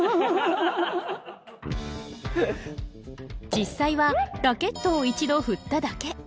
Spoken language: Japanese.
実際はラケットを一度振っただけ。